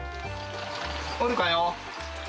おるかよ？